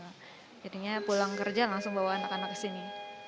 jadinya pulang kerja langsung bawa anak anak ke sini